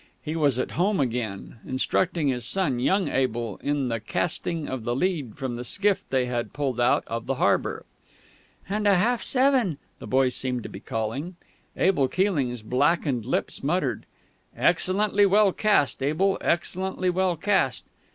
He was at home again, instructing his son, young Abel, in the casting of the lead from the skiff they had pulled out of the harbour. "And a half seven!" the boy seemed to be calling. Abel Keeling's blackened lips muttered: "Excellently well cast, Abel, excellently well cast!"